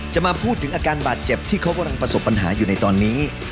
มาพูดถึงอาการบาดเจ็บที่เขากำลังประสบปัญหาอยู่ในตอนนี้